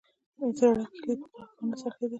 زړه کیلي په قلف کې ونه څرخیدل